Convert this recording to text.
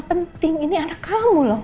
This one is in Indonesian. penting ini anak kamu loh